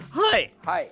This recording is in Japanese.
はい！